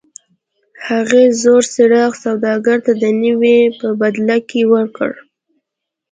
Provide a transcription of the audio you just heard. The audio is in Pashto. هغې زوړ څراغ سوداګر ته د نوي په بدل کې ورکړ.